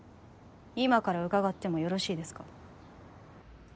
今から伺ってもよろしいですか？